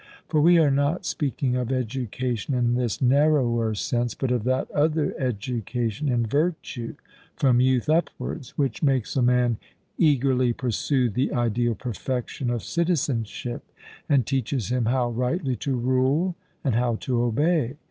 For we are not speaking of education in this narrower sense, but of that other education in virtue from youth upwards, which makes a man eagerly pursue the ideal perfection of citizenship, and teaches him how rightly to rule and how to obey.